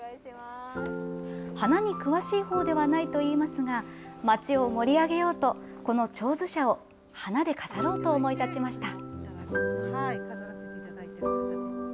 花に詳しいほうではないといいますが、町を盛り上げようと、このちょうず舎を花で飾ろうと思い立ちました。